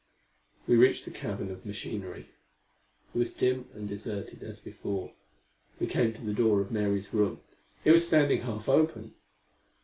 We reached the cavern of machinery. It was dim and deserted, as before. We came to the door of Mary's room. It was standing half open!